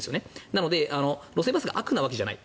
なので、路線バスが悪なわけじゃない。